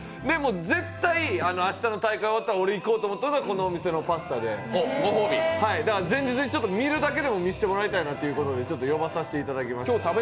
絶対に明日の大会終わったら俺が行こうと思ってるのがこの店のパスタで前日に見るだけでも見せてもらいたいなということでちょっと呼ばさせていただきました。